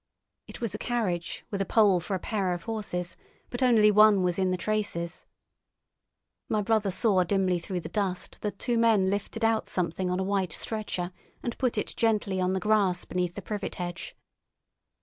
It was a carriage, with a pole for a pair of horses, but only one was in the traces. My brother saw dimly through the dust that two men lifted out something on a white stretcher and put it gently on the grass beneath the privet hedge.